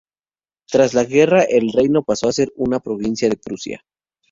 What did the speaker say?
Tras la guerra el reino paso a ser una provincia de Prusia.